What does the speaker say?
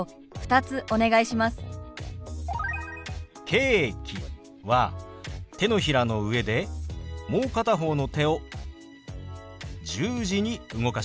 「ケーキ」は手のひらの上でもう片方の手を十字に動かします。